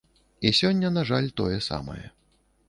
І сёння, на жаль, тое самае.